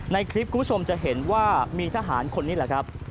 ในคลิปคุณผู้ชมจะเห็นว่ามีทหารคนนี้แหละครับ